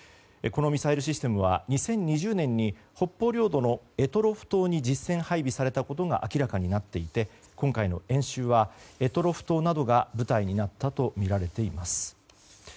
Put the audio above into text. このミサイルシステムは２０２０年に北方領土の択捉島に実戦配備されたことが明らかになっていて今回の演習は択捉島などが舞台になったとみられています。